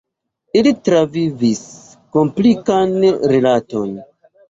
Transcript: Ili travivis komplikan rilaton.